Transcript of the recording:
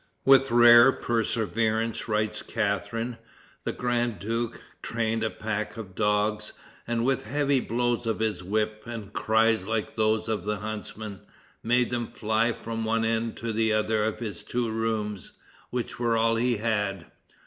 "With rare perseverance," writes Catharine, "the grand duke trained a pack of dogs, and with heavy blows of his whip, and cries like those of the huntsmen, made them fly from one end to the other of his two rooms, which were all he had.